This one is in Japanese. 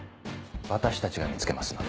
私たちが見つけますので。